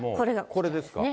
これですか。